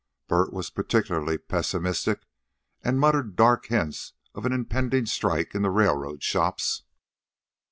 Bert was particularly pessimistic, and muttered dark hints of an impending strike in the railroad shops.